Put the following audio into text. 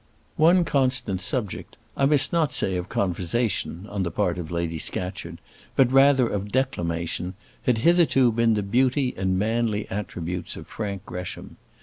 One constant subject, I must not say of conversation, on the part of Lady Scatcherd, but rather of declamation, had hitherto been the beauty and manly attributes of Frank Gresham.